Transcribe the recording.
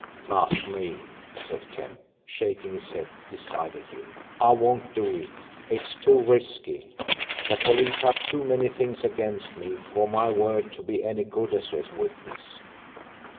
"Not me," said Kemp, shaking his head decidedly. "I won't do it; it's too risky. The police have too many things against me for my word to be any good as a witness.